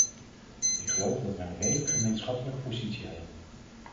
Ik geloof dat we een redelijk gemeenschappelijke positie hebben.